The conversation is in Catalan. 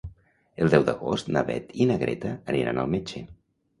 El deu d'agost na Beth i na Greta aniran al metge.